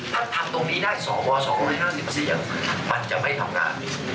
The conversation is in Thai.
ถ้าทำตรงนี้ได้สว๒๕๐เสียงมันจะไม่ทำงาน